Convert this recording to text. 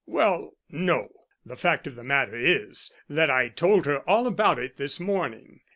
"Well, no. The fact of the matter is that I told her all about it this morning.